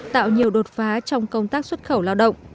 tạo nhiều đột phá trong công tác xuất khẩu lao động